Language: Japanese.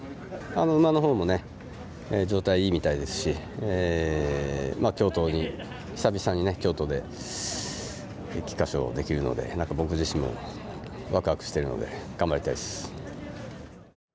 馬のほうもね状態いいみたいですし久々に京都で菊花賞できるので僕自身もワクワクしてるので頑張りたいです。